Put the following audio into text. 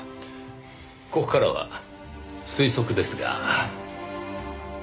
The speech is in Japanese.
ここからは推測ですが。